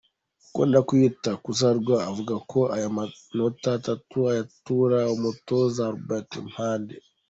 ukunda kwiyita Kurzawa avuga ko aya manota atatu ayatura umutoza Albert Mphande.